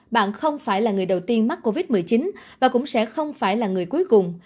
bạn không phải là người đầu tiên mắc covid một mươi chín và cũng sẽ không phải là người cuối cùng